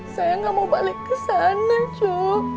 saya nggak mau balik ke sana cu